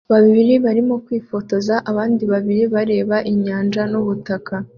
babiri barimo kwifotoza abandi babiri bareba inyanja nubutaka